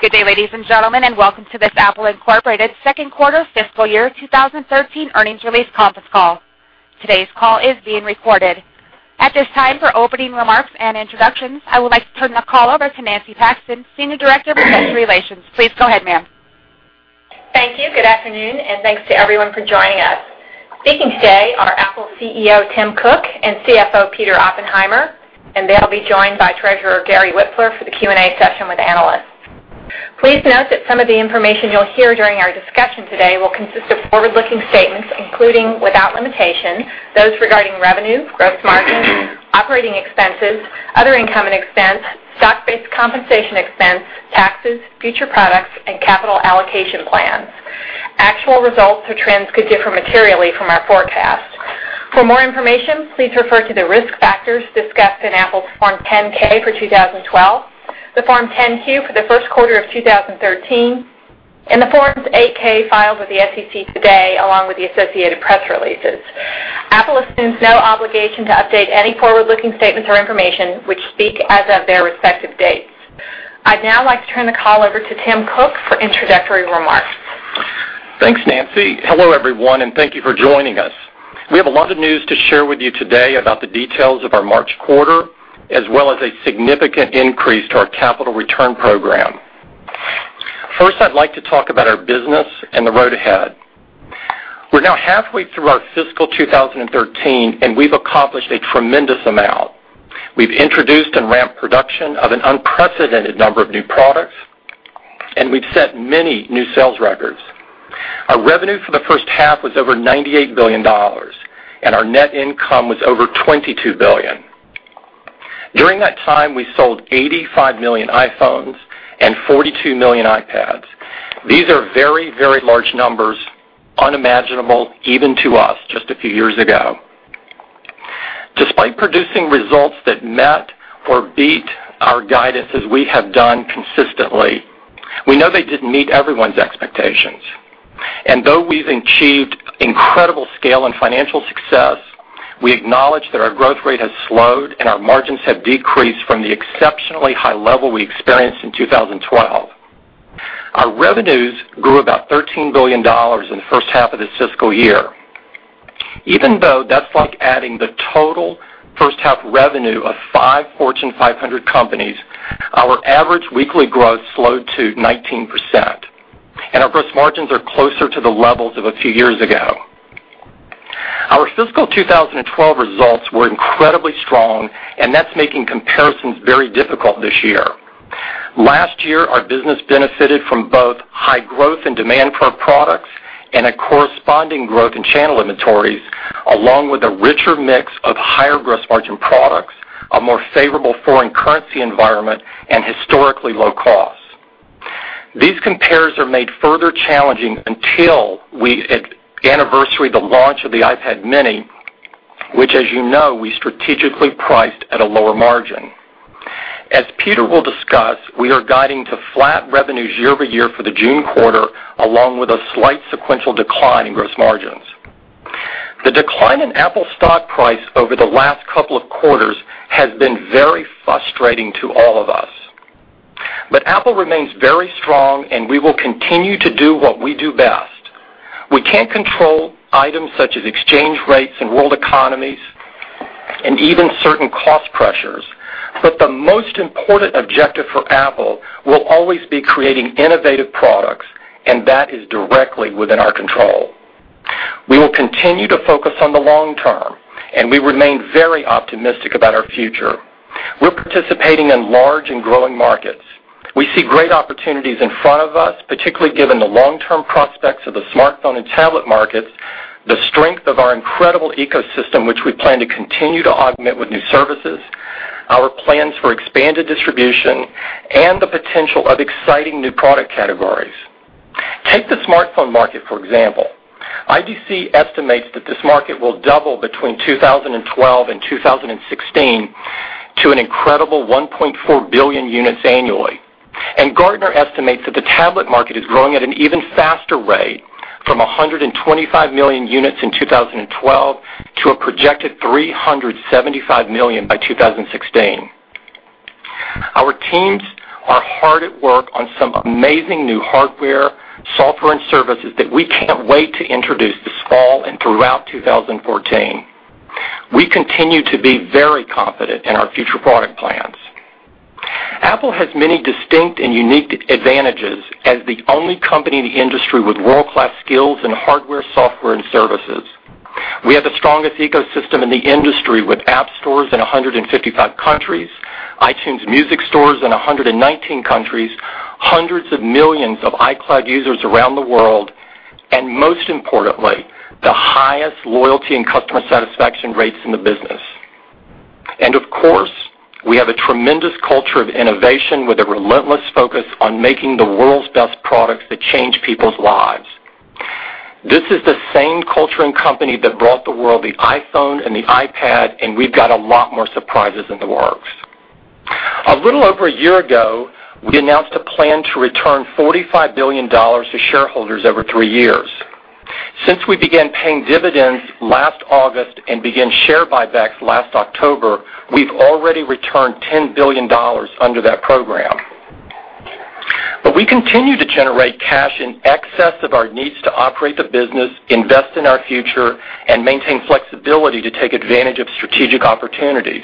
Good day, ladies and gentlemen, and welcome to this Apple Inc. second quarter fiscal year 2013 earnings release conference call. Today's call is being recorded. At this time, for opening remarks and introductions, I would like to turn the call over to Nancy Paxton, Senior Director of Investor Relations. Please go ahead, ma'am. Thank you. Good afternoon, and thanks to everyone for joining us. Speaking today are Apple CEO Tim Cook and CFO Peter Oppenheimer, and they'll be joined by Treasurer Gary Wipfler for the Q&A session with analysts. Please note that some of the information you'll hear during our discussion today will consist of forward-looking statements, including without limitation, those regarding revenue, gross margin, operating expenses, other income and expense, stock-based compensation expense, taxes, future products and capital allocation plans. Actual results or trends could differ materially from our forecasts. For more information, please refer to the risk factors discussed in Apple's Form 10-K for 2012, the Form 10-Q for the first quarter of 2013, and the Form 8-K filed with the SEC today, along with the associated press releases. Apple assumes no obligation to update any forward-looking statements or information, which speak as of their respective dates. I'd now like to turn the call over to Tim Cook for introductory remarks. Thanks, Nancy. Hello, everyone, and thank you for joining us. We have a lot of news to share with you today about the details of our March quarter, as well as a significant increase to our capital return program. First, I'd like to talk about our business and the road ahead. We're now halfway through our fiscal 2013, and we've accomplished a tremendous amount. We've introduced and ramped production of an unprecedented number of new products, and we've set many new sales records. Our revenue for the first half was over $98 billion, and our net income was over $22 billion. During that time, we sold 85 million iPhones and 42 million iPads. These are very, very large numbers, unimaginable even to us just a few years ago. Despite producing results that met or beat our guidance as we have done consistently, we know they didn't meet everyone's expectations. Though we've achieved incredible scale and financial success, we acknowledge that our growth rate has slowed and our margins have decreased from the exceptionally high level we experienced in 2012. Our revenues grew about $13 billion in the first half of this fiscal year. Though that's like adding the total first half revenue of five Fortune 500 companies, our average weekly growth slowed to 19%, our gross margins are closer to the levels of a few years ago. Our fiscal 2012 results were incredibly strong, that's making comparisons very difficult this year. Last year, our business benefited from both high growth and demand for our products and a corresponding growth in channel inventories, along with a richer mix of higher gross margin products, a more favorable foreign currency environment, and historically low costs. These compares are made further challenging until we anniversary the launch of the iPad mini, which as you know, we strategically priced at a lower margin. As Peter will discuss, we are guiding to flat revenues year-over-year for the June quarter, along with a slight sequential decline in gross margins. The decline in Apple stock price over the last couple of quarters has been very frustrating to all of us. Apple remains very strong, and we will continue to do what we do best. We can't control items such as exchange rates and world economies and even certain cost pressures. The most important objective for Apple will always be creating innovative products, and that is directly within our control. We will continue to focus on the long term. We remain very optimistic about our future. We're participating in large and growing markets. We see great opportunities in front of us, particularly given the long-term prospects of the smartphone and tablet markets, the strength of our incredible ecosystem, which we plan to continue to augment with new services, our plans for expanded distribution, and the potential of exciting new product categories. Take the smartphone market, for example. IDC estimates that this market will double between 2012 and 2016 to an incredible 1.4 billion units annually. Gartner estimates that the tablet market is growing at an even faster rate from 125 million units in 2012 to a projected 375 million units by 2016. Our teams are hard at work on some amazing new hardware, software and services that we can't wait to introduce this fall and throughout 2014. We continue to be very confident in our future product plans. Apple has many distinct and unique advantages as the only company in the industry with world-class skills in hardware, software, and services. We have the strongest ecosystem in the industry with App Stores in 155 countries, iTunes music stores in 119 countries, hundreds of millions of iCloud users around the world, and most importantly, the highest loyalty and customer satisfaction rates in the business. Of course, we have a tremendous culture of innovation with a relentless focus on making the world's best products that change people's lives. This is the same culture and company that brought the world the iPhone and the iPad. We've got a lot more surprises in the works. A little over a year ago, we announced a plan to return $45 billion to shareholders over three years. Since we began paying dividends last August and began share buybacks last October, we've already returned $10 billion under that program. We continue to generate cash in excess of our needs to operate the business, invest in our future, and maintain flexibility to take advantage of strategic opportunities.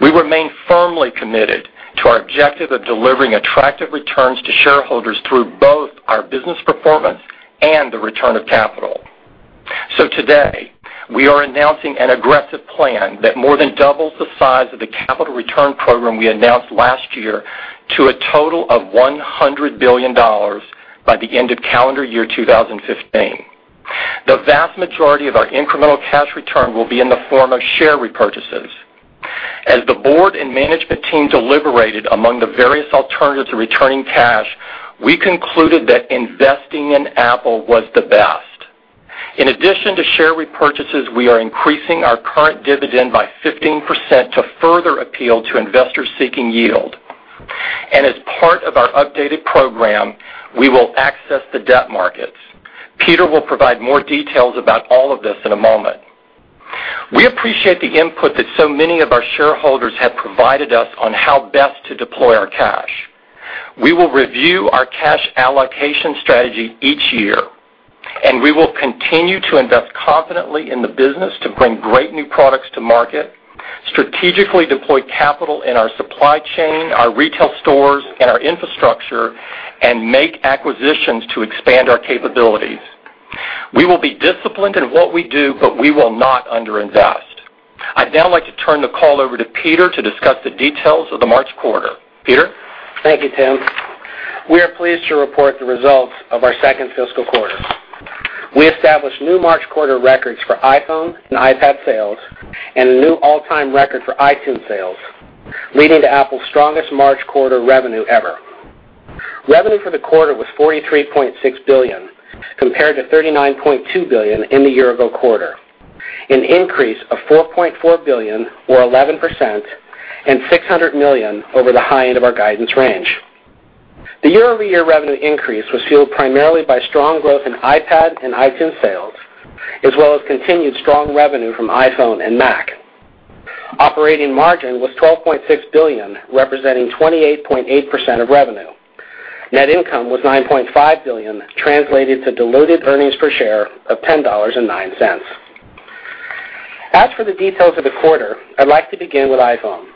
We remain firmly committed to our objective of delivering attractive returns to shareholders through both our business performance and the return of capital. Today, we are announcing an aggressive plan that more than doubles the size of the capital return program we announced last year to a total of $100 billion by the end of calendar year 2015. The vast majority of our incremental cash return will be in the form of share repurchases. As the board and management team deliberated among the various alternatives of returning cash, we concluded that investing in Apple was the best. In addition to share repurchases, we are increasing our current dividend by 15% to further appeal to investors seeking yield. As part of our updated program, we will access the debt markets. Peter will provide more details about all of this in a moment. We appreciate the input that so many of our shareholders have provided us on how best to deploy our cash. We will review our cash allocation strategy each year, and we will continue to invest confidently in the business to bring great new products to market, strategically deploy capital in our supply chain, our retail stores, and our infrastructure, and make acquisitions to expand our capabilities. We will be disciplined in what we do, but we will not under-invest. I'd now like to turn the call over to Peter to discuss the details of the March quarter. Peter? Thank you, Tim. We are pleased to report the results of our second fiscal quarter. We established new March quarter records for iPhone and iPad sales and a new all-time record for iTunes sales, leading to Apple's strongest March quarter revenue ever. Revenue for the quarter was $43.6 billion, compared to $39.2 billion in the year-ago quarter, an increase of $4.4 billion or 11% and $600 million over the high end of our guidance range. The year-over-year revenue increase was fueled primarily by strong growth in iPad and iTunes sales, as well as continued strong revenue from iPhone and Mac. Operating margin was $12.6 billion, representing 28.8% of revenue. Net income was $9.5 billion, translated to diluted earnings per share of $10.09. As for the details of the quarter, I'd like to begin with iPhone.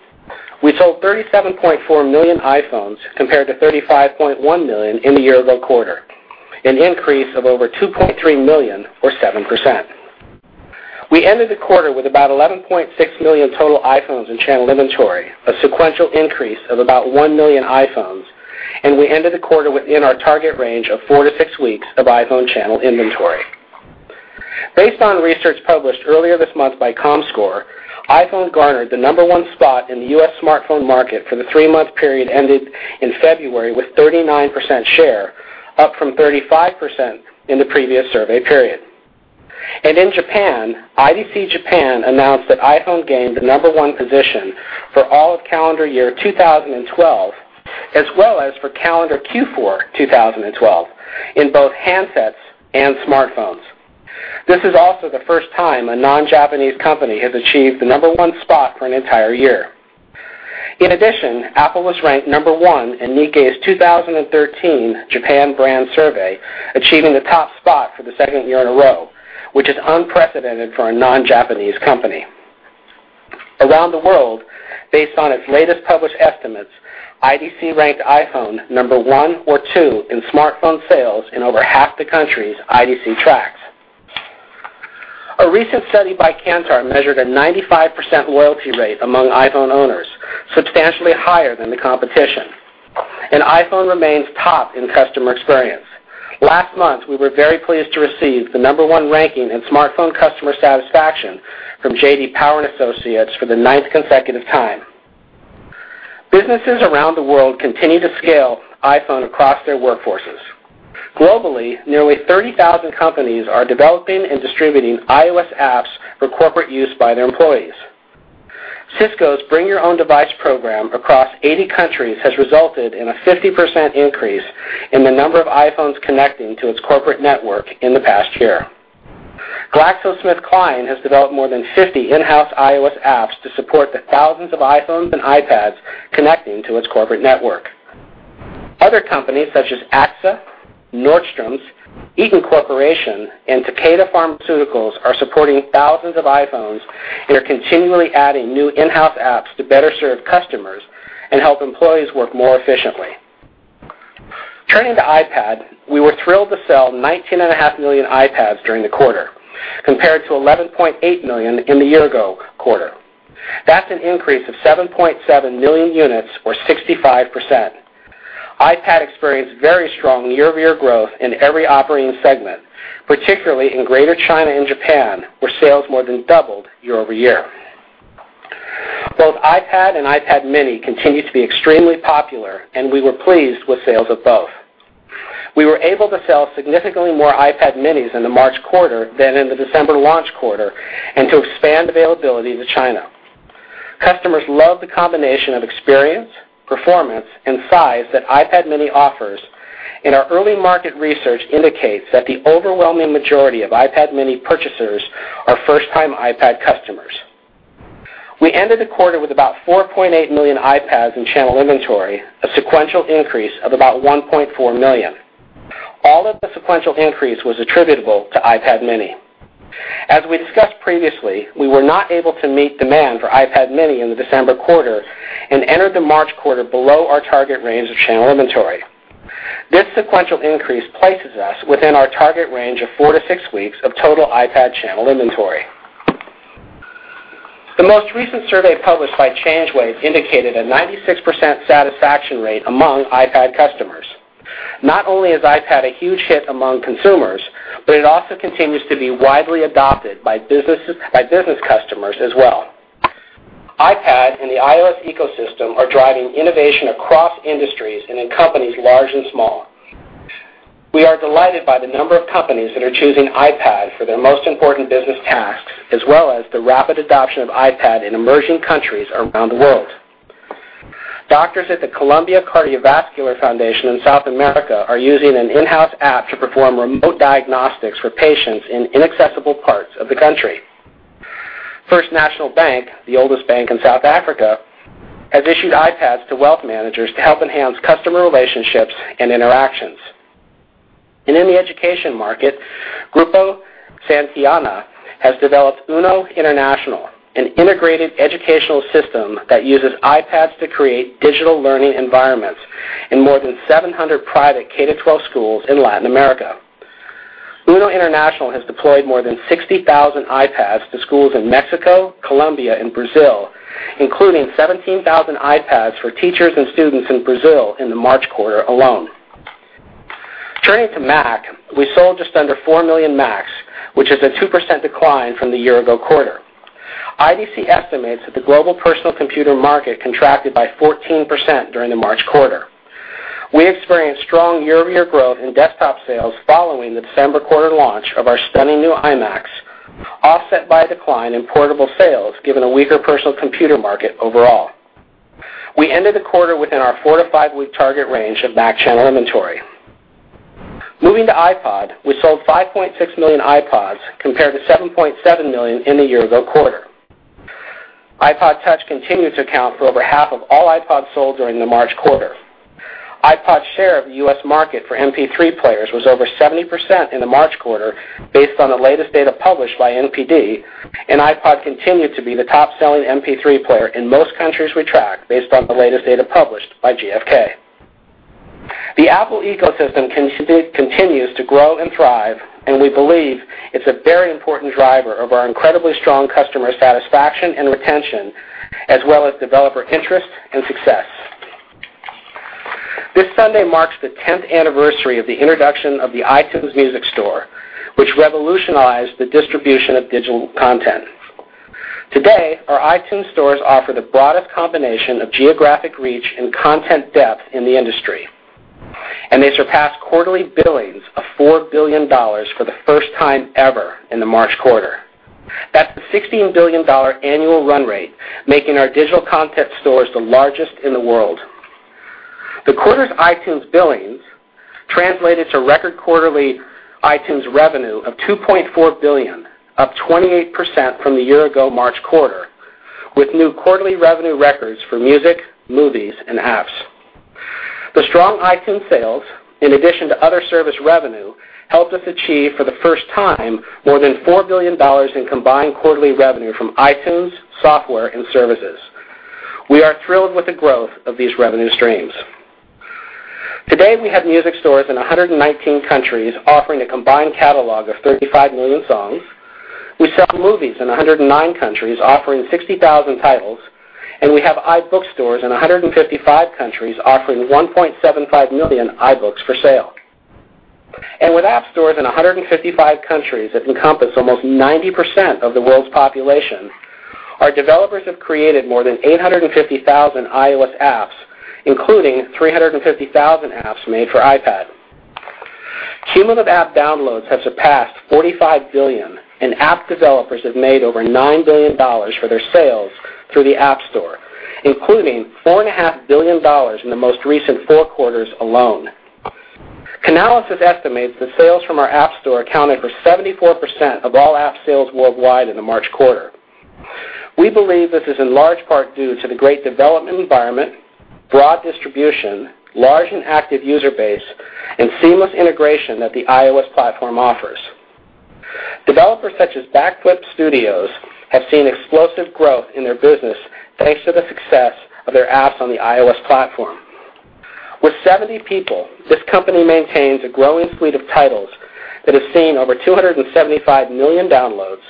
We sold 37.4 million iPhones compared to 35.1 million in the year-ago quarter, an increase of over 2.3 million or 7%. We ended the quarter with about 11.6 million total iPhones in channeled inventory, a sequential increase of about 1 million iPhones, and we ended the quarter within our target range of four to six weeks of iPhone channel inventory. Based on research published earlier this month by Comscore, iPhone garnered the number one spot in the U.S. smartphone market for the three-month period ended in February with 39% share, up from 35% in the previous survey period. In Japan, IDC Japan announced that iPhone gained the number one position for all of calendar year 2012, as well as for calendar Q4 2012 in both handsets and smartphones. This is also the first time a non-Japanese company has achieved the number one spot for an entire year. In addition, Apple was ranked number one in Nikkei's 2013 Japan brand survey, achieving the top spot for the second year in a row, which is unprecedented for a non-Japanese company. Around the world, based on its latest published estimates, IDC ranked iPhone number one or two in smartphone sales in over half the countries IDC tracks. A recent study by Kantar measured a 95% loyalty rate among iPhone owners, substantially higher than the competition, and iPhone remains top in customer experience. Last month, we were very pleased to receive the number one ranking in smartphone customer satisfaction from J.D. Power and Associates for the ninth consecutive time. Businesses around the world continue to scale iPhone across their workforces. Globally, nearly 30,000 companies are developing and distributing iOS apps for corporate use by their employees. Cisco's bring-your-own-device program across 80 countries has resulted in a 50% increase in the number of iPhones connecting to its corporate network in the past year. GlaxoSmithKline has developed more than 50 in-house iOS apps to support the thousands of iPhones and iPads connecting to its corporate network. Other companies such as AXA, Nordstrom, Eaton Corporation, and Takeda Pharmaceutical Company are supporting thousands of iPhones and are continually adding new in-house apps to better serve customers and help employees work more efficiently. Turning to iPad, we were thrilled to sell 19.5 million iPads during the quarter, compared to 11.8 million in the year-ago quarter. That's an increase of 7.7 million units or 65%. iPad experienced very strong year-over-year growth in every operating segment, particularly in Greater China and Japan, where sales more than doubled year-over-year. Both iPad and iPad mini continue to be extremely popular, we were pleased with sales of both. We were able to sell significantly more iPad minis in the March quarter than in the December launch quarter and to expand availability to China. Customers love the combination of experience, performance, and size that iPad mini offers, our early market research indicates that the overwhelming majority of iPad mini purchasers are first-time iPad customers. We ended the quarter with about 4.8 million iPads in channel inventory, a sequential increase of about 1.4 million. All of the sequential increase was attributable to iPad mini. As we discussed previously, we were not able to meet demand for iPad mini in the December quarter and entered the March quarter below our target range of channel inventory. This sequential increase places us within our target range of four to six weeks of total iPad channel inventory. The most recent survey published by ChangeWave indicated a 96% satisfaction rate among iPad customers. Not only is iPad a huge hit among consumers, but it also continues to be widely adopted by business customers as well. iPad and the iOS ecosystem are driving innovation across industries and in companies large and small. We are delighted by the number of companies that are choosing iPad for their most important business tasks, as well as the rapid adoption of iPad in emerging countries around the world. Doctors at the Colombia Cardiovascular Foundation in South America are using an in-house app to perform remote diagnostics for patients in inaccessible parts of the country. First National Bank, the oldest bank in South Africa, has issued iPads to wealth managers to help enhance customer relationships and interactions. In the education market, Grupo Santillana has developed UNO International, an integrated educational system that uses iPads to create digital learning environments in more than 700 private K-12 schools in Latin America. UNO International has deployed more than 60,000 iPads to schools in Mexico, Colombia, and Brazil, including 17,000 iPads for teachers and students in Brazil in the March quarter alone. Turning to Mac, we sold just under 4 million Macs, which is a 2% decline from the year ago quarter. IDC estimates that the global personal computer market contracted by 14% during the March quarter. We experienced strong year-over-year growth in desktop sales following the December quarter launch of our stunning new iMacs, offset by a decline in portable sales, given a weaker personal computer market overall. We ended the quarter within our four to five-week target range of Mac channel inventory. Moving to iPod, we sold 5.6 million iPods compared to 7.7 million in the year ago quarter. iPod touch continues to account for over half of all iPods sold during the March quarter. iPod's share of the U.S. market for MP3 players was over 70% in the March quarter based on the latest data published by NPD, and iPod continued to be the top-selling MP3 player in most countries we track based on the latest data published by GfK. The Apple ecosystem continues to grow and thrive, and we believe it's a very important driver of our incredibly strong customer satisfaction and retention, as well as developer interest and success. This Sunday marks the 10th anniversary of the introduction of the iTunes Music Store, which revolutionized the distribution of digital content. Today, our iTunes stores offer the broadest combination of geographic reach and content depth in the industry, and they surpassed quarterly billings of $4 billion for the first time ever in the March quarter. That's a $16 billion annual run rate, making our digital content stores the largest in the world. The quarter's iTunes billings translated to record quarterly iTunes revenue of $2.4 billion, up 28% from the year-ago March quarter, with new quarterly revenue records for music, movies, and apps. The strong iTunes sales, in addition to other service revenue, helped us achieve for the first time, more than $4 billion in combined quarterly revenue from iTunes, software, and services. We are thrilled with the growth of these revenue streams. Today, we have music stores in 119 countries offering a combined catalog of 35 million songs. We sell movies in 109 countries offering 60,000 titles, and we have iBooks stores in 155 countries offering 1.75 million iBooks for sale. With App Store in 155 countries that encompass almost 90% of the world's population, our developers have created more than 850,000 iOS apps, including 350,000 apps made for iPad. Cumulative app downloads have surpassed 45 billion, and app developers have made over $9 billion for their sales through the App Store, including $4.5 billion in the most recent four quarters alone. Canalys estimates that sales from our App Store accounted for 74% of all app sales worldwide in the March quarter. We believe this is in large part due to the great development environment, broad distribution, large and active user base, and seamless integration that the iOS platform offers. Developers such as Backflip Studios have seen explosive growth in their business thanks to the success of their apps on the iOS platform. With 70 people, this company maintains a growing suite of titles that have seen over 275 million downloads,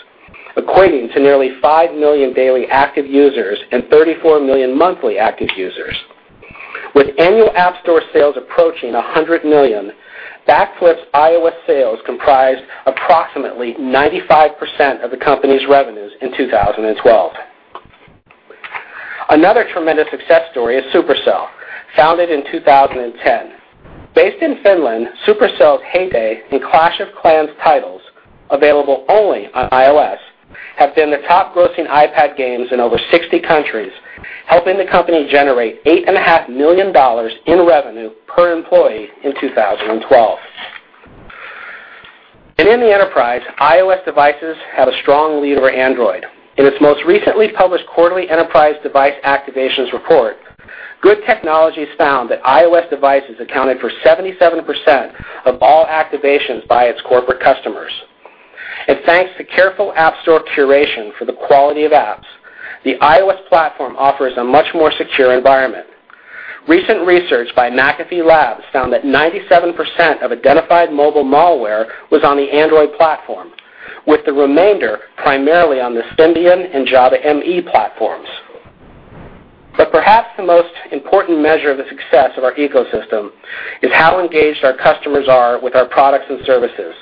equating to nearly 5 million daily active users and 34 million monthly active users. With annual App Store sales approaching $100 million, Backflip's iOS sales comprised approximately 95% of the company's revenues in 2012. Another tremendous success story is Supercell, founded in 2010. Based in Finland, Supercell's Hay Day and Clash of Clans titles, available only on iOS, have been the top-grossing iPad games in over 60 countries, helping the company generate $8.5 million in revenue per employee in 2012. In the enterprise, iOS devices have a strong lead over Android. In its most recently published quarterly enterprise device activations report, Good Technology found that iOS devices accounted for 77% of all activations by its corporate customers. Thanks to careful App Store curation for the quality of apps, the iOS platform offers a much more secure environment. Recent research by McAfee Labs found that 97% of identified mobile malware was on the Android platform, with the remainder primarily on the Symbian and Java ME platforms. Perhaps the most important measure of the success of our ecosystem is how engaged our customers are with our products and services.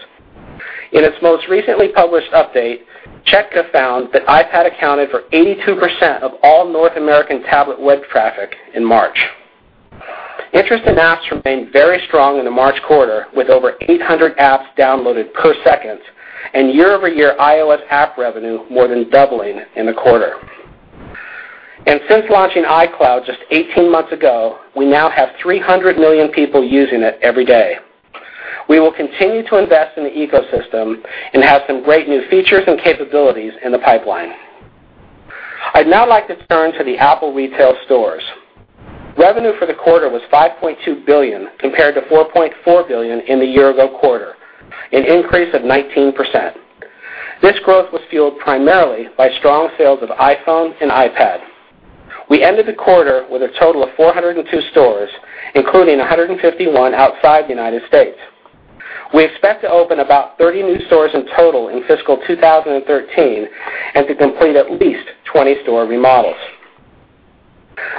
In its most recently published update, Chitika found that iPad accounted for 82% of all North American tablet web traffic in March. Interest in apps remained very strong in the March quarter, with over 800 apps downloaded per second and year-over-year iOS app revenue more than doubling in the quarter. Since launching iCloud just 18 months ago, we now have 300 million people using it every day. We will continue to invest in the ecosystem and have some great new features and capabilities in the pipeline. I'd now like to turn to the Apple retail stores. Revenue for the quarter was $5.2 billion compared to $4.4 billion in the year-ago quarter, an increase of 19%. This growth was fueled primarily by strong sales of iPhone and iPad. We ended the quarter with a total of 402 stores, including 151 outside the United States. We expect to open about 30 new stores in total in fiscal 2013 and to complete at least 20 store remodels.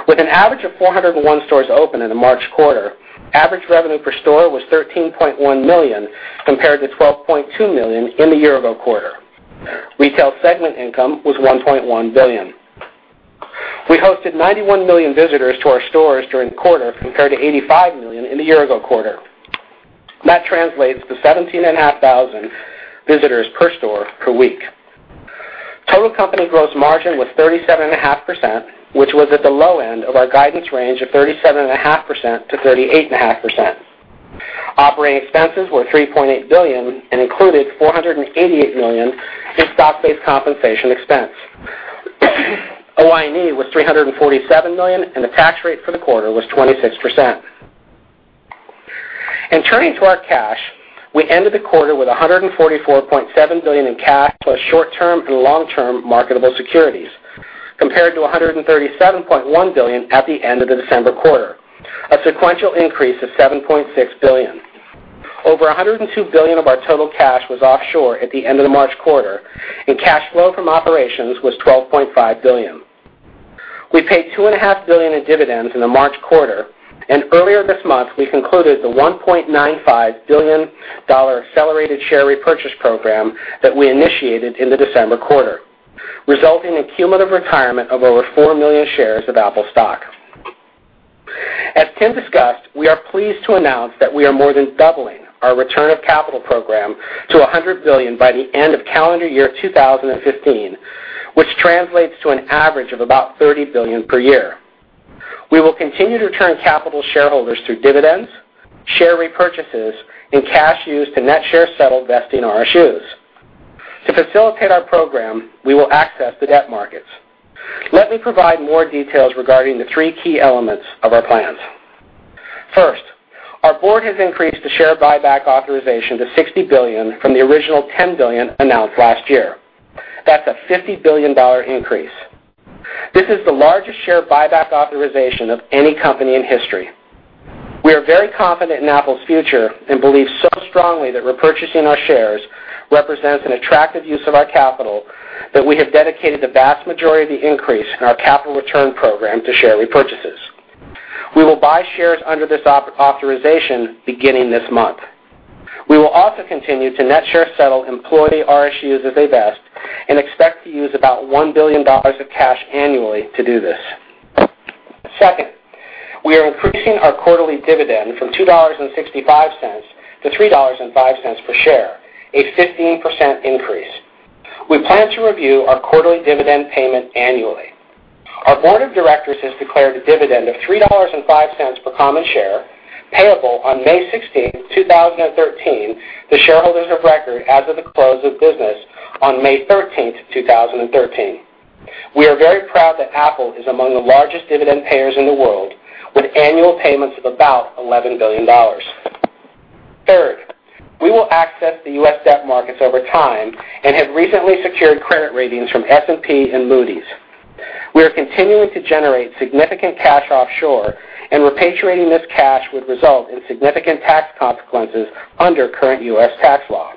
With an average of 401 stores open in the March quarter, average revenue per store was $13.1 million compared to $12.2 million in the year-ago quarter. Retail segment income was $1.1 billion. We hosted 91 million visitors to our stores during the quarter compared to 85 million in the year-ago quarter. That translates to 17,500 visitors per store per week. Total company gross margin was 37.5%, which was at the low end of our guidance range of 37.5%-38.5%. Operating expenses were $3.8 billion and included $488 million in stock-based compensation expense. OI&E was $347 million, and the tax rate for the quarter was 26%. Turning to our cash, we ended the quarter with $144.7 billion in cash plus short-term and long-term marketable securities, compared to $137.1 billion at the end of the December quarter, a sequential increase of $7.6 billion. Over $102 billion of our total cash was offshore at the end of the March quarter, and cash flow from operations was $12.5 billion. We paid $2.5 billion in dividends in the March quarter, and earlier this month we concluded the $1.95 billion accelerated share repurchase program that we initiated in the December quarter, resulting in cumulative retirement of over 4 million shares of Apple stock. As Tim discussed, we are pleased to announce that we are more than doubling our return of capital program to $100 billion by the end of calendar year 2015, which translates to an average of about $30 billion per year. We will continue to return capital to shareholders through dividends, share repurchases, and cash used to net share settle vesting RSUs. To facilitate our program, we will access the debt markets. Let me provide more details regarding the three key elements of our plans. First, our board has increased the share buyback authorization to $60 billion from the original $10 billion announced last year. That's a $50 billion dollar increase. This is the largest share buyback authorization of any company in history. We are very confident in Apple's future and believe so strongly that repurchasing our shares represents an attractive use of our capital that we have dedicated the vast majority of the increase in our capital return program to share repurchases. We will buy shares under this authorization beginning this month. We will also continue to net share settle employee RSUs as they vest and expect to use about $1 billion of cash annually to do this. Second, we are increasing our quarterly dividend from $2.65-$3.05 per share, a 15% increase. We plan to review our quarterly dividend payment annually. Our board of directors has declared a dividend of $3.05 per common share payable on May 16, 2013 to shareholders of record as of the close of business on May 13th, 2013. We are very proud that Apple is among the largest dividend payers in the world with annual payments of about $11 billion. Third, we will access the U.S. debt markets over time and have recently secured credit ratings from S&P and Moody's. We are continuing to generate significant cash offshore, and repatriating this cash would result in significant tax consequences under current U.S. tax law.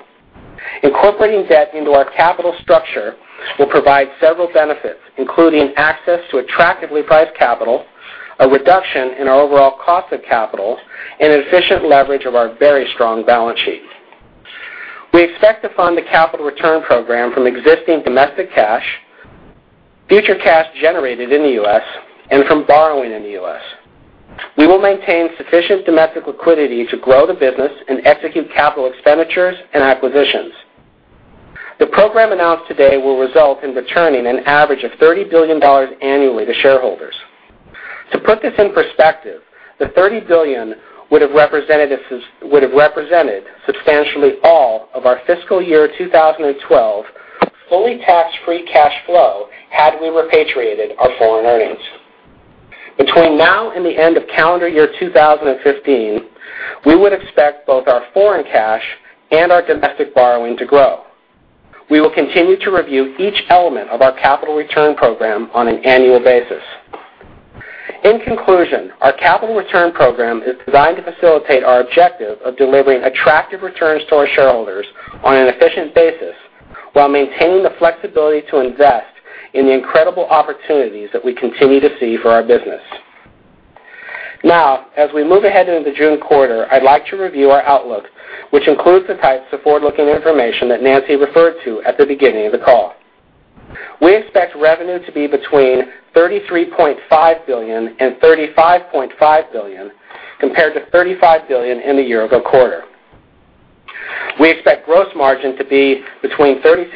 Incorporating debt into our capital structure will provide several benefits, including access to attractively priced capital, a reduction in our overall cost of capital, and efficient leverage of our very strong balance sheet. We expect to fund the capital return program from existing domestic cash, future cash generated in the U.S., and from borrowing in the U.S. We will maintain sufficient domestic liquidity to grow the business and execute capital expenditures and acquisitions. The program announced today will result in returning an average of $30 billion annually to shareholders. To put this in perspective, the $30 billion would have represented substantially all of our fiscal year 2012 fully tax-free cash flow had we repatriated our foreign earnings. Between now and the end of calendar year 2015, we would expect both our foreign cash and our domestic borrowing to grow. We will continue to review each element of our capital return program on an annual basis. In conclusion, our capital return program is designed to facilitate our objective of delivering attractive returns to our shareholders on an efficient basis while maintaining the flexibility to invest in the incredible opportunities that we continue to see for our business. As we move ahead into the June quarter, I'd like to review our outlook, which includes the types of forward-looking information that Nancy referred to at the beginning of the call. We expect revenue to be between $33.5 billion-$35.5 billion compared to $35 billion in the year-ago quarter. We expect gross margin to be between 36%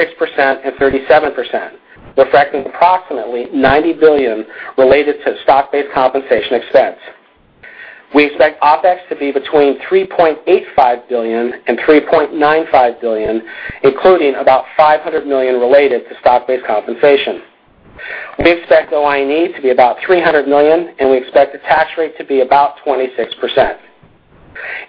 and 37%, reflecting approximately $90 billion related to stock-based compensation expense. We expect OPEX to be between $3.85 billion and $3.95 billion, including about $500 million related to stock-based compensation. We expect OI&E to be about $300 million, and we expect the tax rate to be about 26%.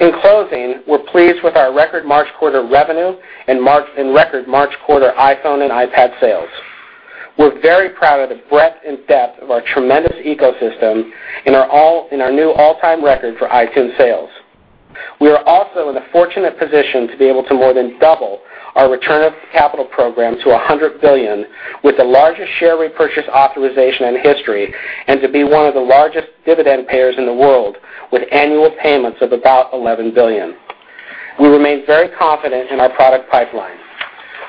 In closing, we're pleased with our record March quarter revenue and record March quarter iPhone and iPad sales. We're very proud of the breadth and depth of our tremendous ecosystem and are all in our new all-time record for iTunes sales. We are also in a fortunate position to be able to more than double our return of capital program to $100 billion with the largest share repurchase authorization in history, and to be one of the largest dividend payers in the world with annual payments of about $11 billion. We remain very confident in our product pipeline.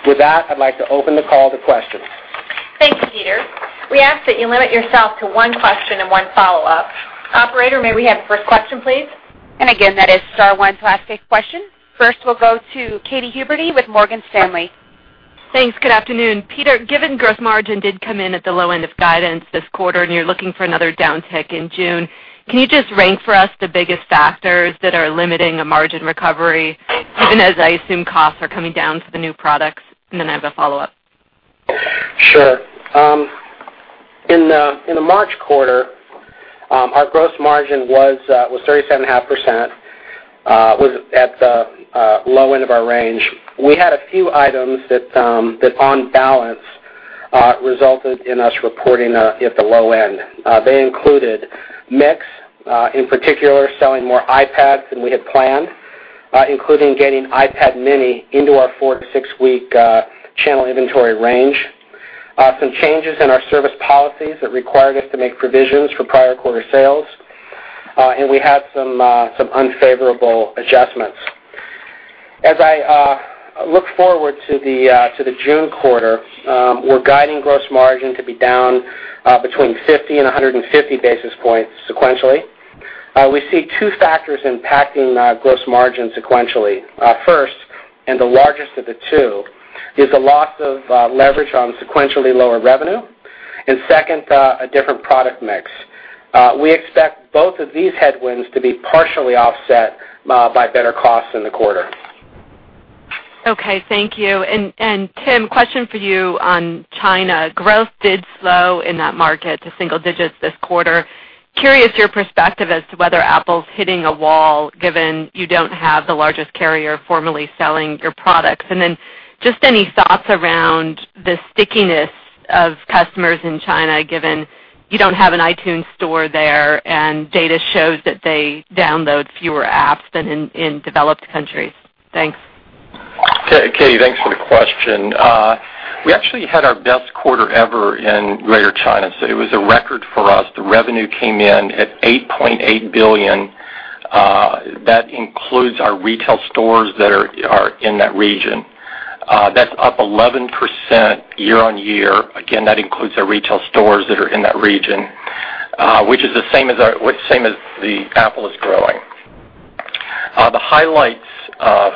With that, I'd like to open the call to questions. Thank you, Peter. We ask that you limit yourself to one question and one follow-up. Operator, may we have the first question, please? Again, that is star one to ask a question. First, we'll go to Katy Huberty with Morgan Stanley. Thanks. Good afternoon. Peter, given gross margin did come in at the low end of guidance this quarter and you're looking for another downtick in June, can you just rank for us the biggest factors that are limiting a margin recovery, even as I assume costs are coming down for the new products? I have a follow-up. Sure. In the March quarter, our gross margin was 37.5% at the low end of our range. We had a few items that on balance resulted in us reporting at the low end. They included mix, in particular selling more iPads than we had planned, including getting iPad Mini into our four to six-week channel inventory range, some changes in our service policies that required us to make provisions for prior quarter sales, and we had some unfavorable adjustments. As I look forward to the June quarter, we're guiding gross margin to be down between 50 and 150 basis points sequentially. We see two factors impacting gross margin sequentially. First, and the largest of the two, is a loss of leverage on sequentially lower revenue. Second, a different product mix. We expect both of these headwinds to be partially offset by better costs in the quarter. Okay, thank you. Tim, question for you on China. Growth did slow in that market to single digits this quarter. Curious your perspective as to whether Apple's hitting a wall given you don't have the largest carrier formerly selling your products. Then just any thoughts around the stickiness of customers in China, given you don't have an iTunes Store there, and data shows that they download fewer apps than in developed countries. Thanks. Katy, thanks for the question. We actually had our best quarter ever in Greater China, so it was a record for us. The revenue came in at $8.8 billion. That includes our retail stores that are in that region. That's up 11% year-over-year. Again, that includes our retail stores that are in that region, which is the same as the Apple is growing. The highlights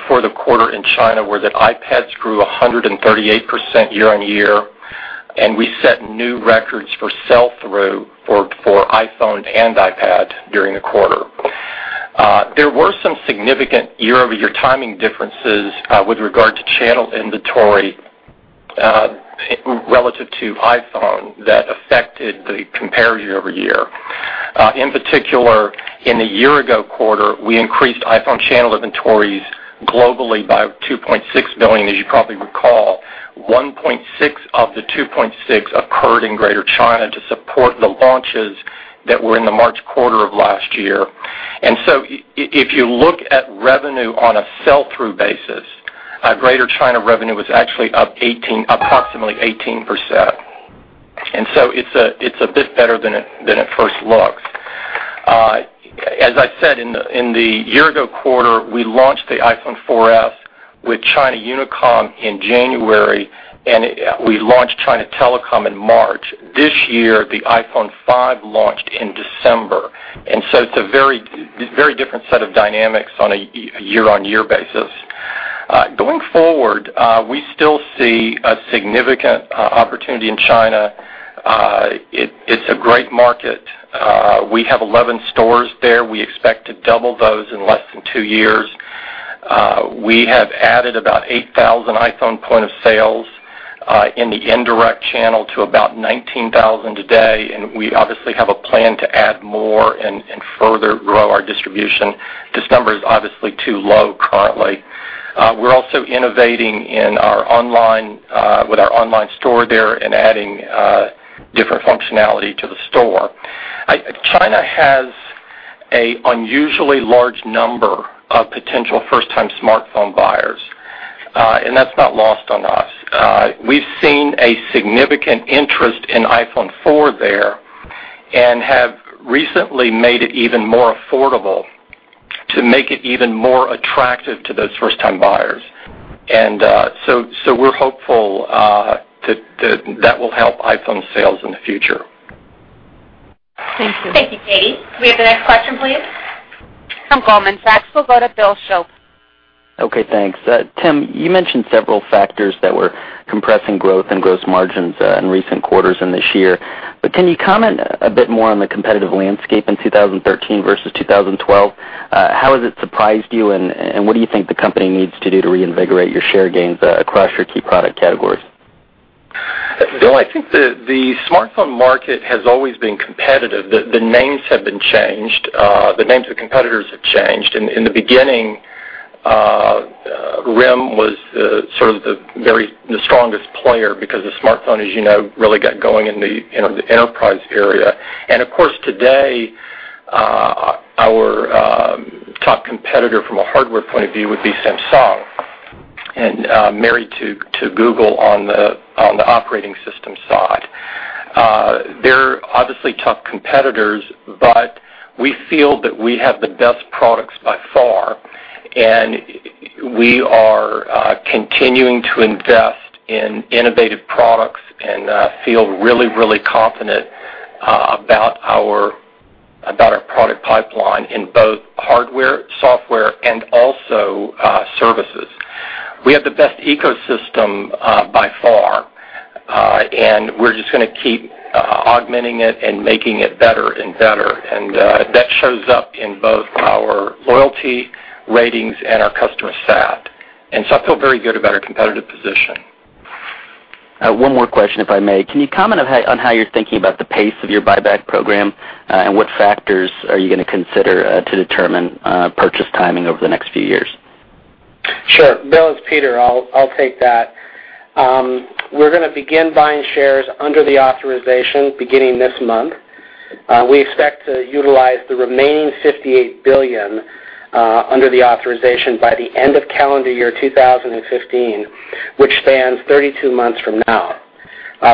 for the quarter in China were that iPads grew 138% year-over-year, and we set new records for sell-through for iPhone and iPad during the quarter. There were some significant year-over-year timing differences with regard to channel inventory relative to iPhone that affected the compare year-over-year. In particular, in the year-ago quarter, we increased iPhone channel inventories globally by $2.6 billion. As you probably recall, $1.6 billion of the $2.6 billion occurred in Greater China to support the launches that were in the March quarter of last year. If you look at revenue on a sell-through basis, Greater China revenue was actually up 18%, approximately 18%. It's a bit better than it first looks. As I said, in the year-ago quarter, we launched the iPhone 4S with China Unicom in January, and we launched China Telecom in March. This year, the iPhone 5 launched in December. It's a very different set of dynamics on a year-on-year basis. Going forward, we still see a significant opportunity in China. It's a great market. We have 11 stores there. We expect to double those in less than two years. We have added about 8,000 iPhone point of sales in the indirect channel to about 19,000 today, and we obviously have a plan to add more and further grow our distribution. This number is obviously too low currently. We're also innovating in our online with our online store there and adding different functionality to the store. China has a unusually large number of potential first-time smartphone buyers, and that's not lost on us. We've seen a significant interest in iPhone 4 there and have recently made it even more affordable to make it even more attractive to those first-time buyers. We're hopeful to that will help iPhone sales in the future. Thank you. Thank you, Katy. Can we have the next question, please? From Goldman Sachs, we'll go to Bill Shope. Okay, thanks. Tim, you mentioned several factors that were compressing growth and gross margins in recent quarters and this year. Can you comment a bit more on the competitive landscape in 2013 versus 2012? How has it surprised you, and what do you think the company needs to do to reinvigorate your share gains across your key product categories? Bill, I think the smartphone market has always been competitive. The names have been changed, the names of competitors have changed. In the beginning, RIM was sort of the very strongest player because the smartphone, as you know, really got going in the enterprise area. Of course, today, our top competitor from a hardware point of view would be Samsung and married to Google on the operating system side. They're obviously tough competitors, but we feel that we have the best products by far, and we are continuing to invest in innovative products and feel really confident about our product pipeline in both hardware, software, and also services. We have the best ecosystem, by far, and we're just gonna keep, augmenting it and making it better and better. That shows up in both our loyalty ratings and our customer-sat. I feel very good about our competitive position. One more question, if I may. Can you comment on how you're thinking about the pace of your buyback program, and what factors are you gonna consider, to determine, purchase timing over the next few years? Sure. Bill, it's Peter. I'll take that. We're gonna begin buying shares under the authorization beginning this month. We expect to utilize the remaining $58 billion under the authorization by the end of calendar year 2015, which stands 32 months from now.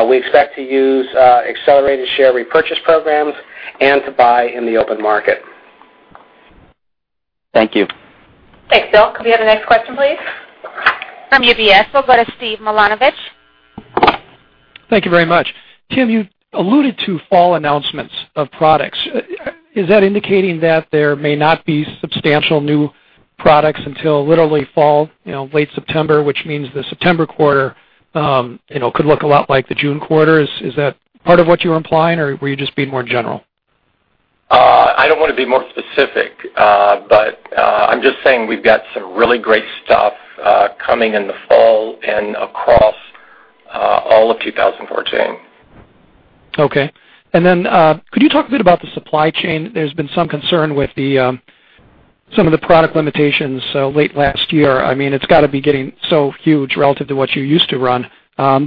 We expect to use accelerated share repurchase programs and to buy in the open market. Thank you. Thanks, Bill. Could we have the next question, please? From UBS, we'll go to Steve Milunovich. Thank you very much. Tim, you alluded to fall announcements of products. Is that indicating that there may not be substantial new products until literally fall, you know, late September, which means the September quarter, you know, could look a lot like the June quarter? Is that part of what you're implying, or were you just being more general? I don't wanna be more specific, but I'm just saying we've got some really great stuff coming in the fall and across all of 2014. Okay. Could you talk a bit about the supply chain? There's been some concern with some of the product limitations late last year. I mean, it's gotta be getting so huge relative to what you used to run.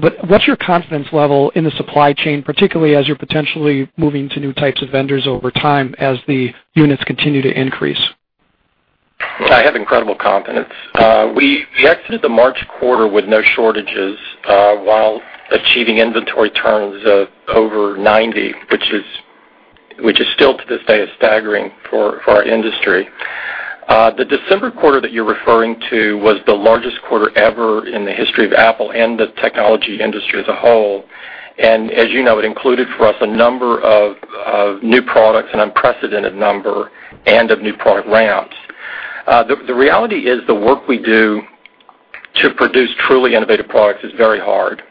What's your confidence level in the supply chain, particularly as you're potentially moving to new types of vendors over time as the units continue to increase? I have incredible confidence. We exited the March quarter with no shortages, while achieving inventory turns of over 90, which is still to this day staggering for our industry. The December quarter that you're referring to was the largest quarter ever in the history of Apple and the technology industry as a whole. As you know, it included for us a number of new products, an unprecedented number of new product ramps. The reality is the work we do to produce truly innovative products is very hard,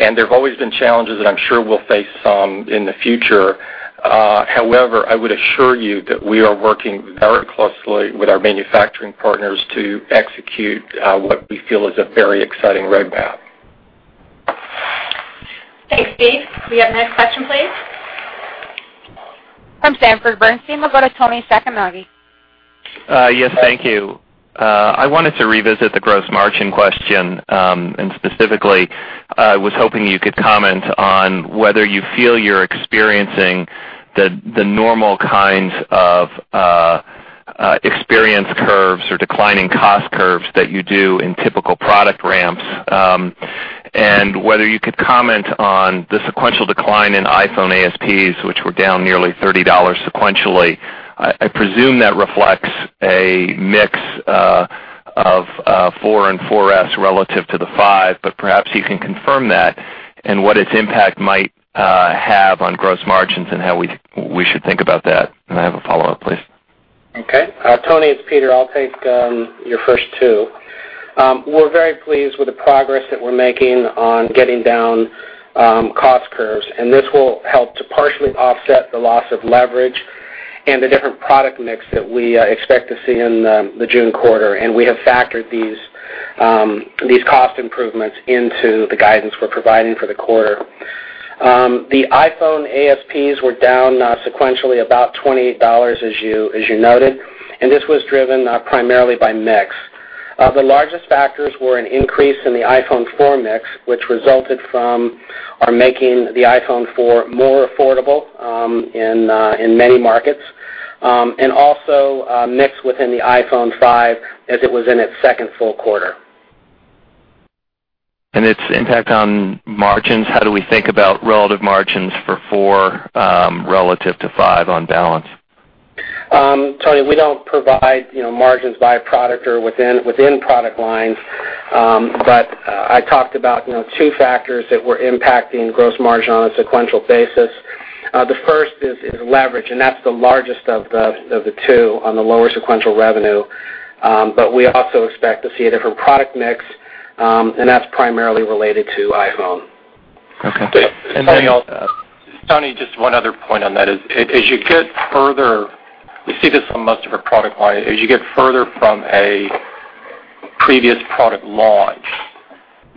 and there have always been challenges, and I'm sure we'll face some in the future. However, I would assure you that we are working very closely with our manufacturing partners to execute what we feel is a very exciting roadmap. Thanks, Steve. Could we have the next question, please? From Sanford Bernstein, we'll go to Toni Sacconaghi. Yes, thank you. I wanted to revisit the gross margin question, and specifically, I was hoping you could comment on whether you feel you're experiencing the normal kinds of experience curves or declining cost curves that you do in typical product ramps. Whether you could comment on the sequential decline in iPhone ASPs, which were down nearly $30 sequentially. I presume that reflects a mix of iPhone 4 and iPhone 4S relative to the iPhone 5, but perhaps you can confirm that and what its impact might have on gross margins and how we should think about that. I have a follow-up, please. Okay. Toni, it's Peter. I'll take your first two. We're very pleased with the progress that we're making on getting down cost curves, and this will help to partially offset the loss of leverage and the different product mix that we expect to see in the June quarter. We have factored these cost improvements into the guidance we're providing for the quarter. The iPhone ASPs were down sequentially about $28 as you noted, and this was driven primarily by mix. The largest factors were an increase in the iPhone 4 mix, which resulted from our making the iPhone 4 more affordable in many markets, and also mix within the iPhone 5 as it was in its second full quarter. Its impact on margins, how do we think about relative margins for iPhone 4, relative to iPhone 5 on balance? Toni, we don't provide, you know, margins by product or within product lines. I talked about, you know, two factors that were impacting gross margin on a sequential basis. The first is leverage, and that's the largest of the two on the lower sequential revenue. We also expect to see a different product mix, and that's primarily related to iPhone. Okay. Also Toni, just one other point on that is as you get further, you see this on most of our product line, as you get further from a previous product launch,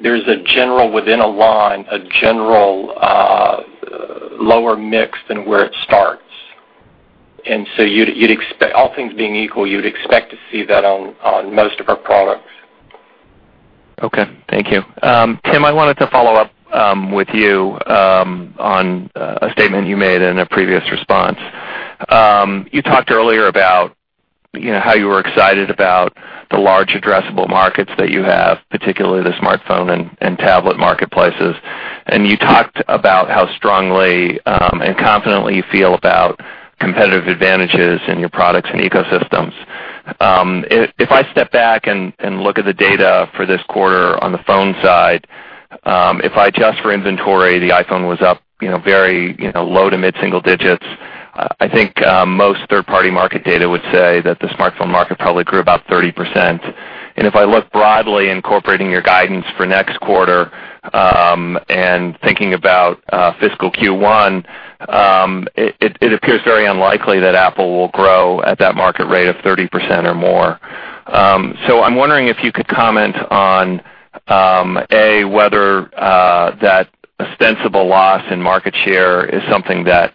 there's a general within a line, a general lower mix than where it starts. You'd expect all things being equal, you'd expect to see that on most of our products. Okay. Thank you. Tim, I wanted to follow up with you on a statement you made in a previous response. You talked earlier about, you know, how you were excited about the large addressable markets that you have, particularly the smartphone and tablet marketplaces. You talked about how strongly and confidently you feel about competitive advantages in your products and ecosystems. If I step back and look at the data for this quarter on the phone side, if I adjust for inventory, the iPhone was up, you know, very, you know, low to mid-single digits. I think most third-party market data would say that the smartphone market probably grew about 30%. if I look broadly, incorporating your guidance for next quarter, and thinking about fiscal Q1, it appears very unlikely that Apple will grow at that market rate of 30% or more. I'm wondering if you could comment on A, whether that ostensible loss in market share is something that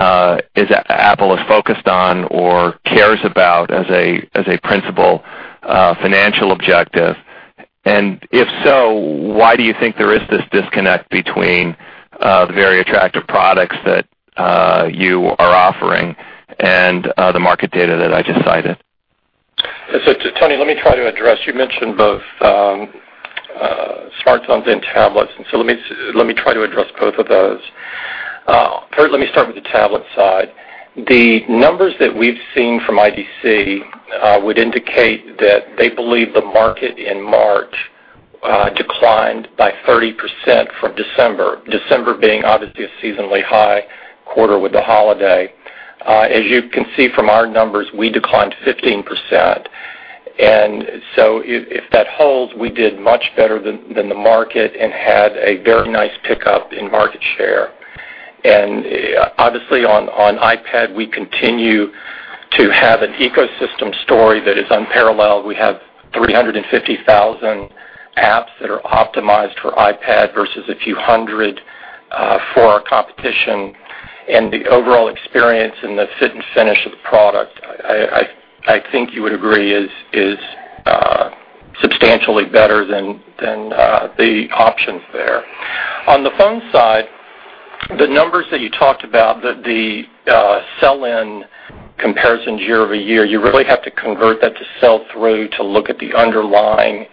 is Apple is focused on or cares about as a principal financial objective. If so, why do you think there is this disconnect between the very attractive products that you are offering and the market data that I just cited. To Toni, let me try to address. You mentioned both, smartphones and tablets, and so let me try to address both of those. First, let me start with the tablet side. The numbers that we've seen from IDC would indicate that they believe the market in March declined by 30% from December being obviously a seasonally high quarter with the holiday. As you can see from our numbers, we declined 15%. And so if that holds, we did much better than the market and had a very nice pickup in the market share. Obviously on iPad, we continue to have an ecosystem story that is unparalleled. We have 350,000 apps that are optimized for iPad versus a few hundred for our competition. The overall experience and the fit and finish of the product, I think you would agree, is substantially better than the options there. On the phone side, the numbers that you talked about, the sell-in comparisons year-over-year, you really have to convert that to sell-through to look at the underlying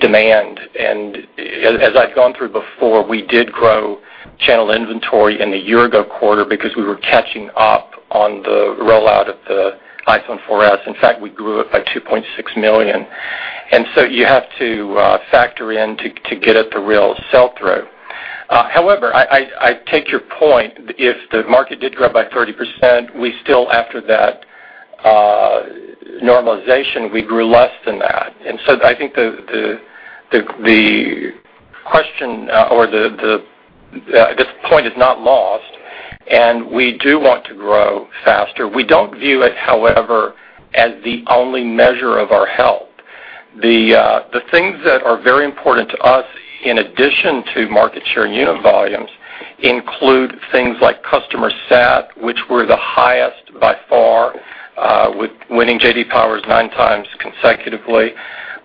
demand. As I've gone through before, we did grow channel inventory in the year ago quarter because we were catching up on the rollout of the iPhone 4S. In fact, we grew it by 2.6 million units. You have to factor in to get at the real sell-through. However, I take your point. If the market did grow by 30%, we still after that normalization, we grew less than that. I think the question, or this point is not lost, and we do want to grow faster. We don't view it, however, as the only measure of our health. The things that are very important to us in addition to market share and unit volumes include things like customer sat, which we're the highest by far, with winning J.D. Power nine times consecutively.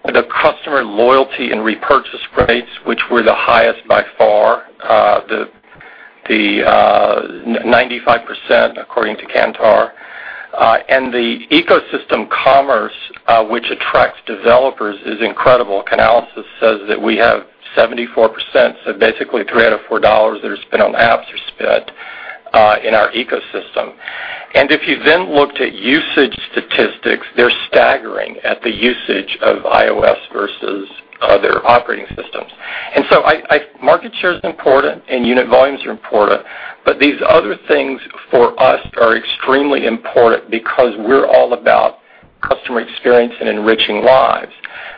The customer loyalty and repurchase rates, which we're the highest by far, The 95% according to Kantar. The ecosystem commerce, which attracts developers is incredible. Canalys says that we have 74%, so basically three out of four dollars that are spent on apps are spent in our ecosystem. If you then looked at usage statistics, they're staggering at the usage of iOS versus other operating systems. I market share is important and unit volumes are important, but these other things for us are extremely important because we're all about customer experience and enriching lives.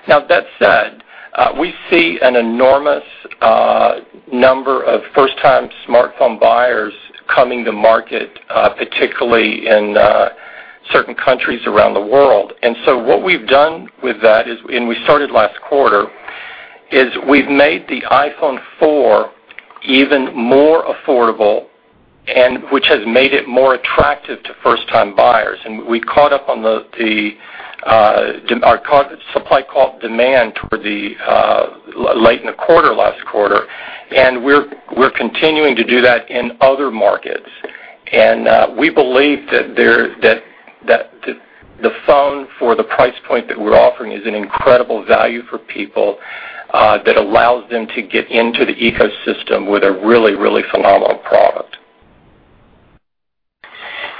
That said, we see an enormous number of first-time smartphone buyers coming to market, particularly in certain countries around the world. What we've done with that is, and we started last quarter, is we've made the iPhone 4 even more affordable and which has made it more attractive to first-time buyers. We caught up on the supply caught demand toward the late in the quarter, last quarter, and we're continuing to do that in other markets. We believe that the phone for the price point that we're offering is an incredible value for people, that allows them to get into the ecosystem with a really, really phenomenal product.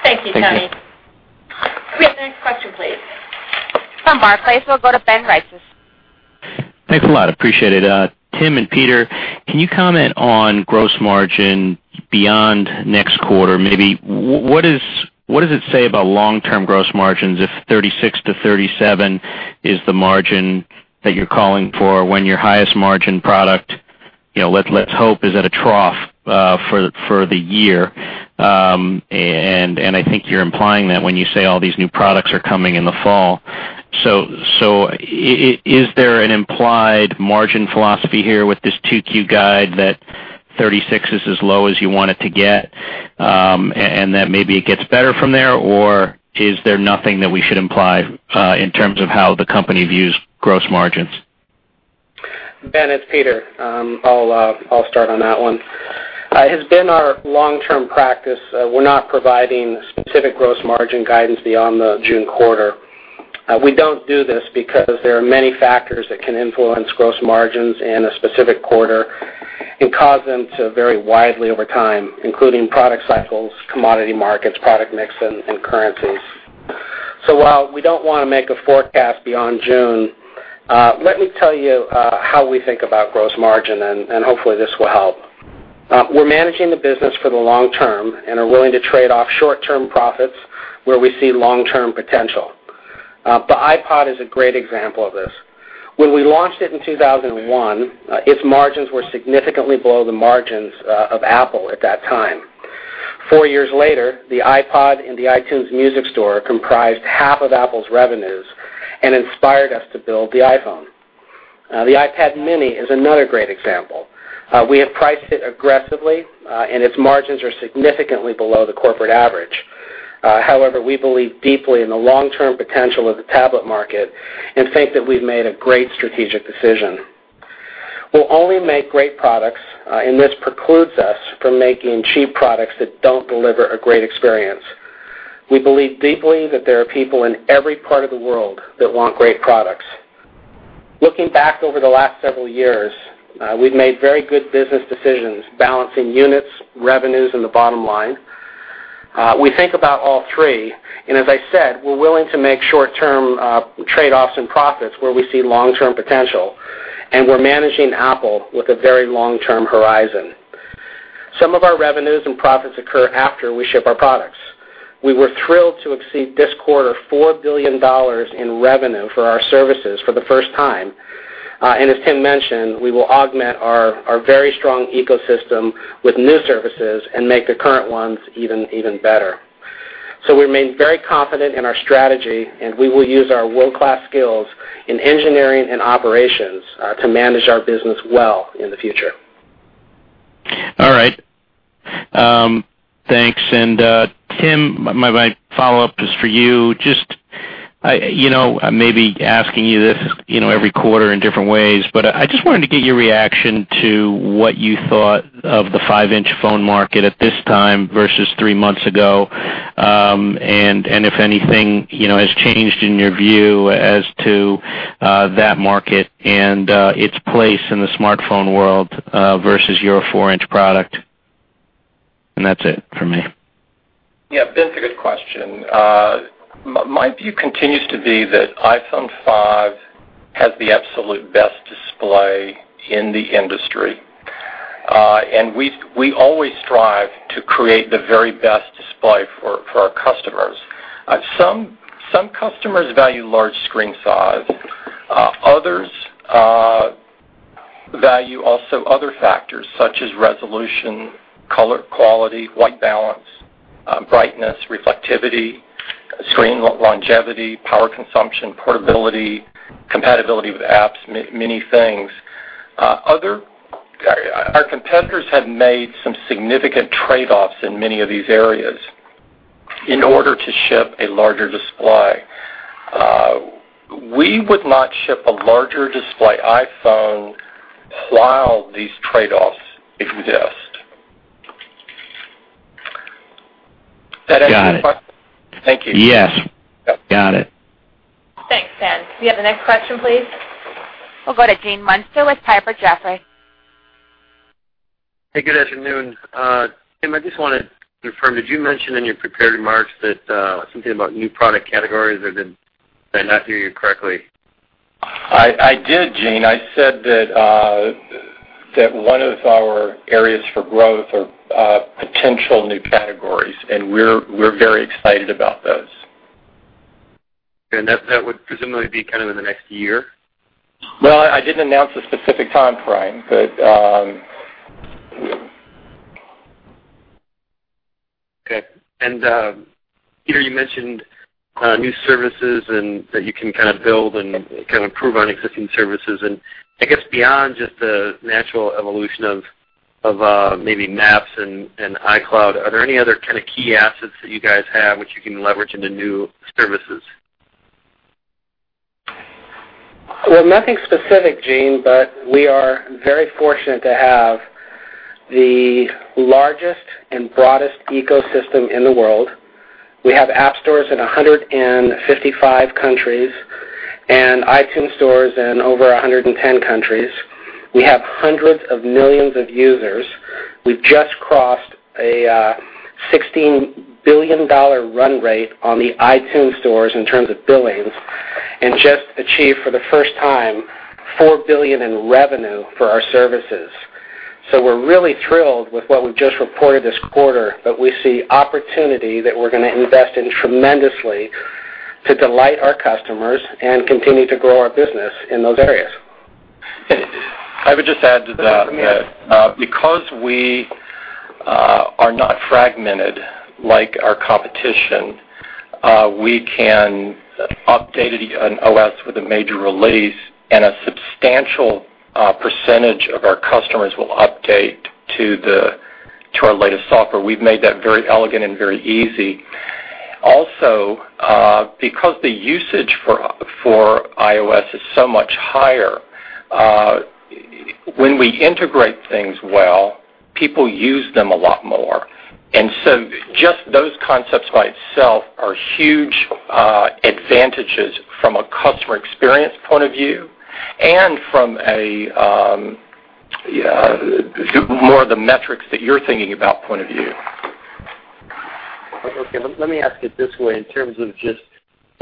Thank you, Toni. Thank you. We have the next question, please. From Barclays, we'll go to Ben Reitzes. Thanks a lot. Appreciate it. Tim and Peter, can you comment on gross margin beyond next quarter? What does it say about long-term gross margins if 36%-37% is the margin that you're calling for when your highest margin product, you know, let's hope is at a trough for the year. I think you're implying that when you say all these new products are coming in the fall. Is there an implied margin philosophy here with this 2Q guide that 36% is as low as you want it to get, and that maybe it gets better from there, or is there nothing that we should imply in terms of how the company views gross margins? Ben, it's Peter. I'll start on that one. It has been our long-term practice, we're not providing specific gross margin guidance beyond the June quarter. We don't do this because there are many factors that can influence gross margins in a specific quarter and cause them to vary widely over time, including product cycles, commodity markets, product mix, and currencies. While we don't wanna make a forecast beyond June, let me tell you how we think about gross margin, and hopefully this will help. We're managing the business for the long term and are willing to trade off short-term profits where we see long-term potential. The iPod is a great example of this. When we launched it in 2001, its margins were significantly below the margins of Apple at that time. Four years later, the iPod and the iTunes Music Store comprised half of Apple's revenues and inspired us to build the iPhone. The iPad mini is another great example. We have priced it aggressively, and its margins are significantly below the corporate average. However, we believe deeply in the long-term potential of the tablet market and think that we've made a great strategic decision. We'll only make great products, and this precludes us from making cheap products that don't deliver a great experience. We believe deeply that there are people in every part of the world that want great products. Looking back over the last several years, we've made very good business decisions balancing units, revenues, and the bottom line. We think about all three, and as I said, we're willing to make short-term trade-offs in profits where we see long-term potential, and we're managing Apple with a very long-term horizon. Some of our revenues and profits occur after we ship our products. We were thrilled to exceed this quarter $4 billion in revenue for our services for the first time. As Tim mentioned, we will augment our very strong ecosystem with new services and make the current ones even better. We remain very confident in our strategy, and we will use our world-class skills in engineering and operations to manage our business well in the future. All right. Thanks. Tim, my follow-up is for you. Just, I, you know, I may be asking you this, you know, every quarter in different ways, but, I just wanted to get your reaction to what you thought of the 5-inch phone market at this time versus three months ago. If anything, you know, has changed in your view as to that market and its place in the smartphone world versus your 4-inch product. That's it for me. Yeah, Ben, it's a good question. My view continues to be that iPhone 5 has the absolute best display in the industry. And we always strive to create the very best display for our customers. Some customers value large screen size, others value also other factors such as resolution, color quality, white balance, brightness, reflectivity, screen longevity, power consumption, portability, compatibility with apps, many things. Our competitors have made some significant trade-offs in many of these areas in order to ship a larger display. We would not ship a larger display iPhone while these trade-offs exist. Got it. Thank you. Yes. Got it. Thanks, Ben. Can we have the next question, please? We'll go to Gene Munster with Piper Jaffray. Hey, good afternoon. Tim, I just wanna confirm, did you mention in your prepared remarks that something about new product categories, or did I not hear you correctly? I did, Gene. I said that one of our areas for growth are potential new categories, and we're very excited about those. That would presumably be kind of in the next year? I didn't announce a specific timeframe, but. Okay. Peter, you mentioned new services and that you can kinda build and kinda improve on existing services. I guess beyond just the natural evolution of Maps and iCloud, are there any other kinda key assets that you guys have which you can leverage into new services? Well, nothing specific, Gene, but we are very fortunate to have the largest and broadest ecosystem in the world. We have App Store in 155 countries and iTunes Stores in over 110 countries. We have hundreds of millions of users. We've just crossed a $16 billion run rate on the iTunes Stores in terms of billings and just achieved for the first time $4 billion in revenue for our services. We're really thrilled with what we've just reported this quarter, but we see opportunity that we're going to invest in tremendously to delight our customers and continue to grow our business in those areas. I would just add to that because we are not fragmented like our competition, we can update an OS with a major release, and a substantial percentage of our customers will update to our latest software. We've made that very elegant and very easy. Because the usage for iOS is so much higher, when we integrate things well, people use them a lot more. Just those concepts by itself are huge advantages from a customer experience point of view and from a more of the metrics that you're thinking about point of view. Okay. Let me ask it this way. In terms of just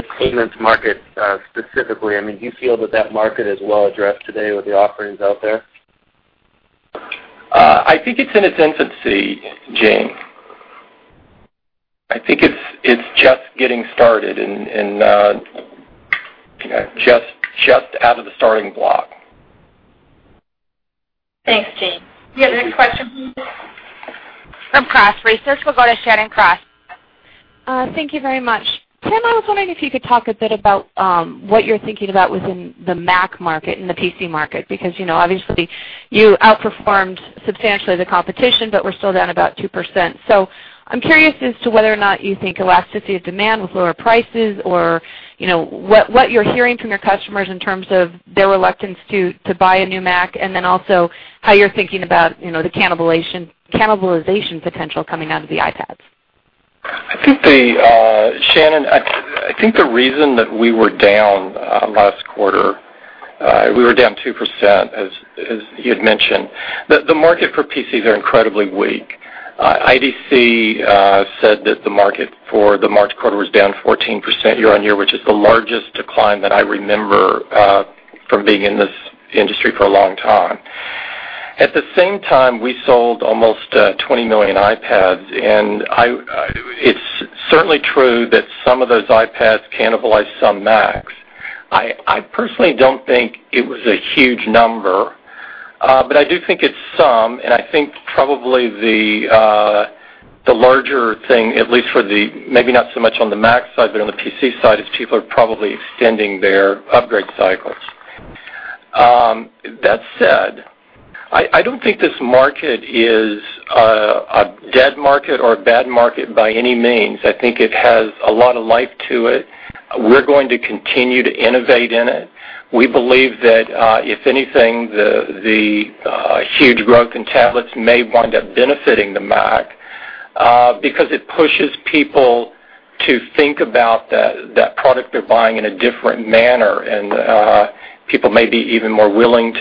the payments market, specifically, I mean, do you feel that that market is well addressed today with the offerings out there? I think it's in its infancy, Gene. I think it's just getting started and out of the starting block. Thanks, Gene. Can we have the next question, please? From Cross Research, we'll go to Shannon Cross. Thank you very much. Tim, I was wondering if you could talk a bit about what you're thinking about within the Mac market and the PC market because, you know, obviously you outperformed substantially the competition, but were still down about 2%. I'm curious as to whether or not you think elasticity of demand with lower prices or, you know, what you're hearing from your customers in terms of their reluctance to buy a new Mac, and then also how you're thinking about, you know, the cannibalization potential coming out of the iPads? I think, Shannon, the reason that we were down last quarter, we were down 2%, as you had mentioned. The market for PCs are incredibly weak. IDC said that the market for the March quarter was down 14% year-on-year, which is the largest decline that I remember from being in this industry for a long time. At the same time, we sold almost 20 million iPads, and I, it's certainly true that some of those iPads cannibalized some Macs. I personally don't think it was a huge number, but I do think it's some, and I think probably the larger thing, at least for the, maybe not so much on the Mac side, but on the PC side, is people are probably extending their upgrade cycles. That said, I don't think this market is a dead market or a bad market by any means. I think it has a lot of life to it. We're going to continue to innovate in it. We believe that, if anything, the, huge growth in tablets may wind up benefiting the Mac, because it pushes people to think about the, that product they're buying in a different manner. People may be even more willing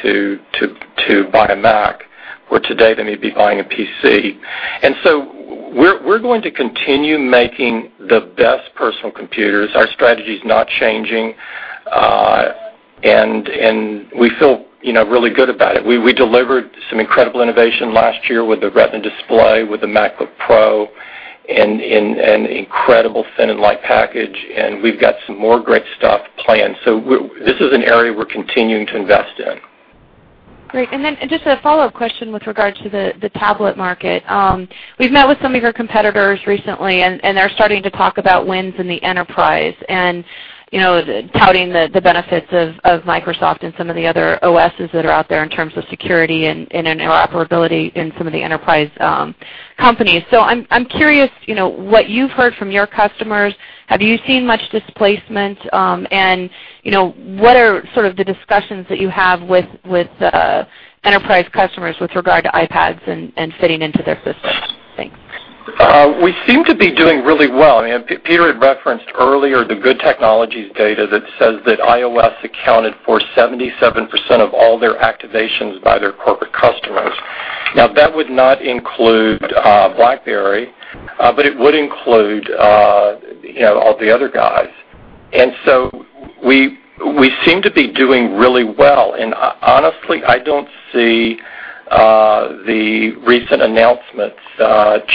to buy a Mac, where today they may be buying a PC. We're going to continue making the best personal computers. Our strategy's not changing. We feel, you know, really good about it. We delivered some incredible innovation last year with the Retina display, with the MacBook Pro, and in an incredible thin and light package, and we've got some more great stuff planned. This is an area we're continuing to invest in. Great. Then just a follow-up question with regards to the tablet market. We've met with some of your competitors recently, and they're starting to talk about wins in the enterprise and, you know, touting the benefits of Microsoft and some of the other OSs that are out there in terms of security and interoperability in some of the enterprise companies. I'm curious, you know, what you've heard from your customers. Have you seen much displacement? You know, what are sort of the discussions that you have with enterprise customers with regard to iPads and fitting into their systems? Thanks. We seem to be doing really well. Peter had referenced earlier the Good Technology data that says that iOS accounted for 77% of all their activations by their corporate customers. Now, that would not include BlackBerry, but it would include, you know, all the other guys. We seem to be doing really well. Honestly, I don't see the recent announcements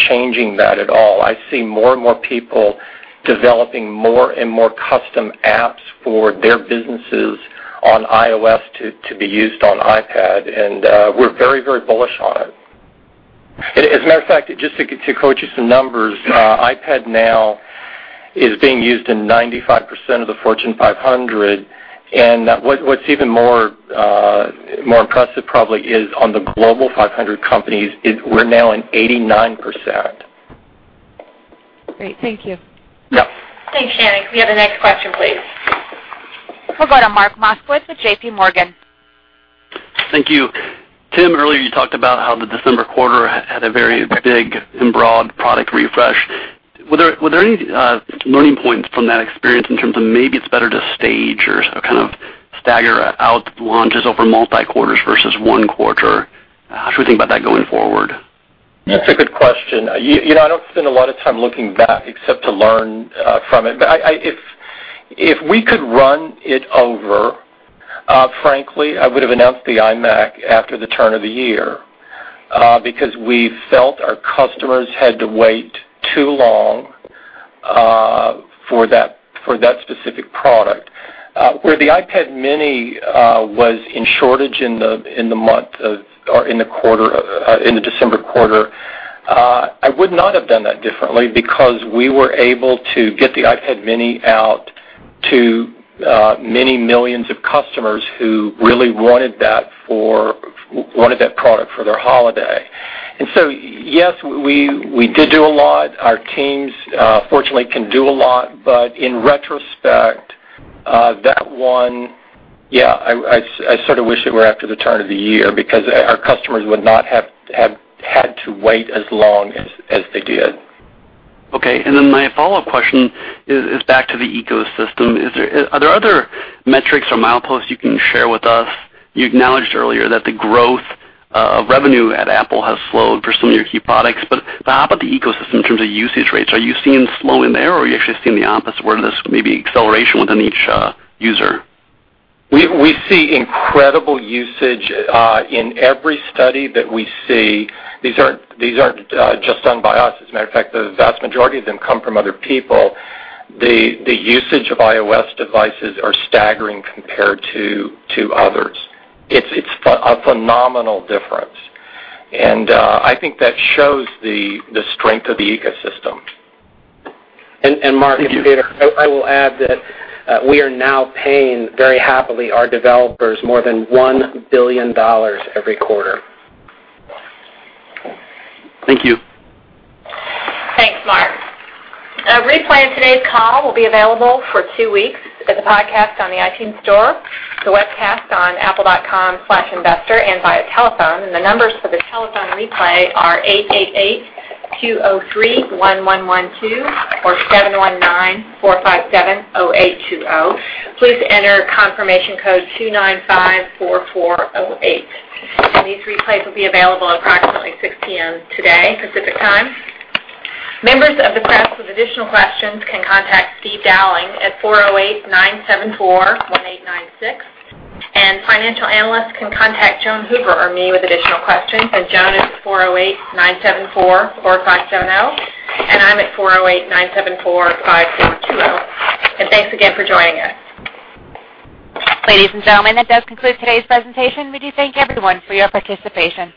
changing that at all. I see more and more people developing more and more custom apps for their businesses on iOS to be used on iPad, and we're very, very bullish on it. As a matter of fact, just to quote you some numbers, iPad now is being used in 95% of the Fortune 500. What, what's even more, more impressive probably is on the Global 500 companies, we're now in 89%. Great. Thank you. Yeah. Thanks, Shannon. Can we have the next question, please? We'll go to Mark Moskowitz with JPMorgan. Thank you. Tim, earlier you talked about how the December quarter had a very big and broad product refresh. Were there any learning points from that experience in terms of maybe it's better to stage or kind of stagger out launches over multi quarters versus one quarter? How should we think about that going forward? That's a good question. You know, I don't spend a lot of time looking back except to learn from it. If we could run it over, frankly, I would have announced the iMac after the turn of the year because we felt our customers had to wait too long for that specific product. Where the iPad mini was in shortage in the month of, or in the quarter, in the December quarter, I would not have done that differently because we were able to get the iPad mini out to many millions of customers who really wanted that product for their holiday. Yes, we did do a lot. Our teams, fortunately can do a lot, but in retrospect, that one, yeah, I sort of wish it were after the turn of the year because our customers would not have had to wait as long as they did. Okay. My follow-up question is back to the ecosystem. Are there other metrics or mileposts you can share with us? You acknowledged earlier that the growth revenue at Apple has slowed for some of your key products, how about the ecosystem in terms of usage rates? Are you seeing slowing there, or are you actually seeing the opposite where there's maybe acceleration within each user? We see incredible usage in every study that we see. These aren't just done by us. As a matter of fact, the vast majority of them come from other people. The usage of iOS devices are staggering compared to others. It's a phenomenal difference, and I think that shows the strength of the ecosystem. Mark- Thank you. Peter, I will add that we are now paying very happily our developers more than $1 billion every quarter. Thank you. Thanks, Mark. A replay of today's call will be available for two weeks as a podcast on the iTunes Store, the webcast on apple.com/investor and via telephone. The numbers for the telephone replay are eight eight eight-two zero three-one one one two or seven one nine-four five seven-zero eight two zero. Please enter confirmation code 2954408. These replays will be available approximately 6:00 P.M. today, Pacific Time. Members of the press with additional questions can contact Steve Dowling at four zero eight-nine seven four-one eight nine six. Financial analysts can contact Joan Hoover or me with additional questions, and Joan is at four zero eight-nine seven four-four five seven zero, and I'm at four zero eight-nine seven four-five four two zero. Thanks again for joining us. Ladies and gentlemen, that does conclude today's presentation. We do thank everyone for your participation.